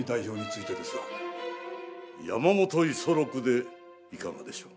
山本五十六でいかがでしょう？